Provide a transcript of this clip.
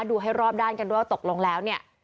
ดูให้รอบด้านกันด้วยว่าตกลงแล้วเนี่ย